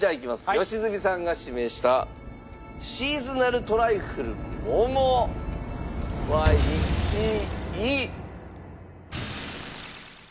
良純さんが指名したシーズナルトライフル桃は１位。